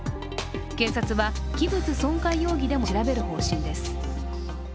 警察は器物損壊容疑でも調べる方針です。